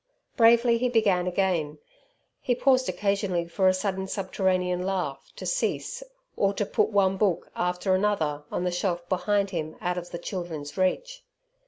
Bravely he began again. He paused occasionally for a sudden subterranean laugh to cease or to put one book after another on the shelf behind him out of the children's reach.